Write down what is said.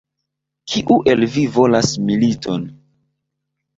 Kiu el vi volas militon?